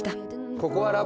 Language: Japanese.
ここはラボ。